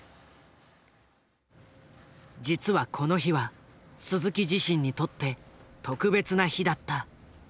実はこの日は鈴木自身にとって特別な日だった。